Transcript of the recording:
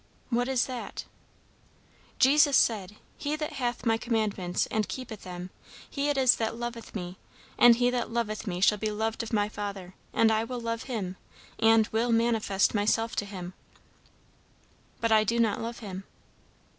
"What is that?" "Jesus said, 'He that hath my commandments and keepeth them, he it is that loveth me; and he that loveth me shall be loved of my Father; and I will love him, and will manifest myself to him.'" "But I do not love him."